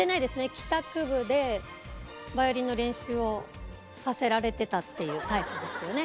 帰宅部でバイオリンの練習をさせられてたっていうタイプですよね。